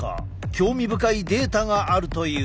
興味深いデータがあるという。